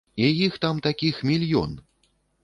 І іх там такіх мільён!